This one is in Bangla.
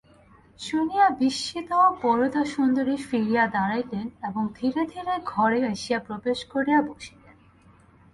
শুনিয়া বিস্মিত বরদাসুন্দরী ফিরিয়া দাঁড়াইলেন এবং ধীরে ধীরে ঘরে আসিয়া প্রবেশ করিয়া বসিলেন।